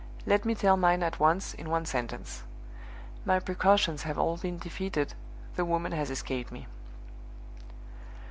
Let me tell mine at once, in one sentence. My precautions have all been defeated: the woman has escaped me.